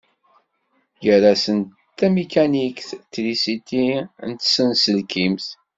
Gar-asent tamikanikt, trisiti d tsenselkimt.